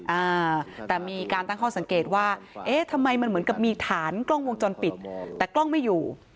อ่าแต่มีการตั้งข้อสังเกตว่าเอ๊ะทำไมมันเหมือนกับมีฐานกล้องวงจรปิดแต่กล้องไม่อยู่